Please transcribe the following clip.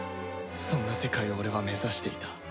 そんな世界を俺は目指していた